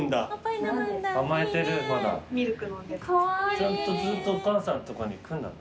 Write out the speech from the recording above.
ちゃんとずっとお母さんのとこに行くんだな。